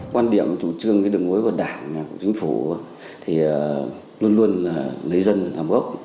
quan điểm chủ trương đường mối của đảng chính phủ luôn luôn lấy dân làm gốc